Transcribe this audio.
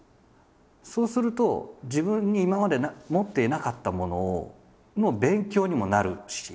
そうすると自分に今まで持っていなかったものの勉強にもなるし。